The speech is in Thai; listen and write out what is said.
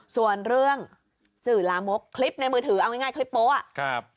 ส่วนเรื่องสื่อลามกคลิปในมือถือเอาง่ายคลิปโป๊ะ